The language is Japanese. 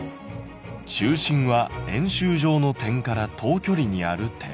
「中心は円周上の点から等距離にある点」。